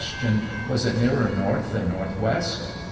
Was it nearer north than northwest